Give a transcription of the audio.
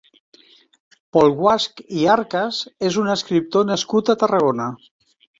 Pol Guasch i Arcas és un escriptor nascut a Tarragona.